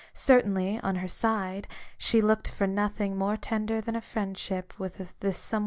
Certainly, on her side, she looked for nothing more tender than a friendship with this some ORIGINAL SIN.